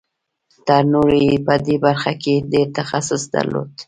تر نورو یې په دې برخه کې ډېر تخصص درلود